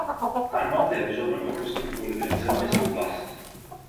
Arnold je rozhodnut opustit kvůli princezně svou vlast.